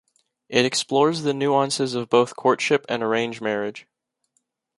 It explores the nuances of both courtship and arrange marriage.